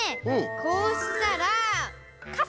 こうしたらかさ！